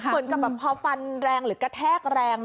เหมือนกับแบบพอฟันแรงหรือกระแทกแรง